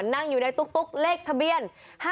นั่งอยู่ในตุ๊กเลขทะเบียน๕๗